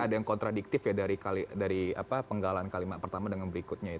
ada yang kontradiktif ya dari penggalan kalimat pertama dengan berikutnya